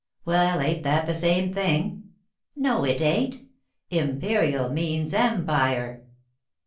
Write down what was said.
'" "Well, ain't that the same thing?" "No, it ain't. Imperial means empire."